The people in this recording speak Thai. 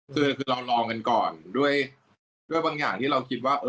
คือเราลองกันก่อนด้วยบางอย่างที่เราคิดว่า